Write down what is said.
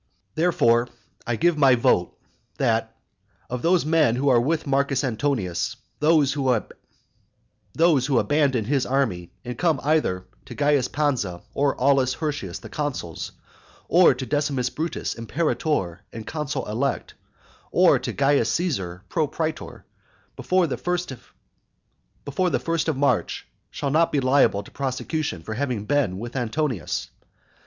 Therefore, I give my vote, "That of those men who are with Marcus Antonius, those who abandon his army, and come over either to Caius Pansa or Aulus Hirtius the consuls; or to Decimus Brutus, imperator and consul elect, or to Caius Caesar, propraetor, before the first of March next, shall not be liable to prosecution for having been with Antonius.